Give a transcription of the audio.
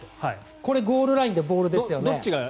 これゴールラインでボールですよね。